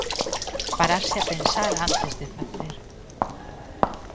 Pararse a pensar antes de facer.